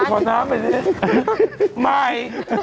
ป่อนน้ำไปเถอะไม่